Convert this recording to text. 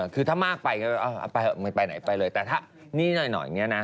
คือถ้ามากไปก็ไม่ไปไหนไปเลยแต่ถ้านี่หน่อยอย่างนี้นะ